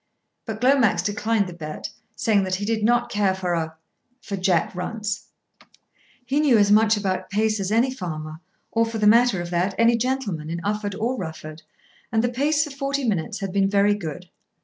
But Glomax declined the bet saying that he did not care a for Jack Runce. He knew as much about pace as any farmer, or for the matter of that any gentleman, in Ufford or Rufford, and the pace for forty minutes had been very good.